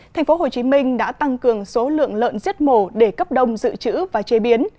thành phố hồ chí minh đã tăng cường số lượng lợn giết mổ để cấp đông dự trữ và chế biến